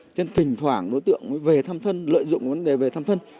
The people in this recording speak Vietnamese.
cho nên thỉnh thoảng đối tượng mới về thăm thân lợi dụng vấn đề về thăm thân